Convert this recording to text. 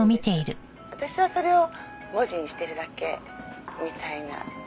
「私はそれを文字にしてるだけみたいな」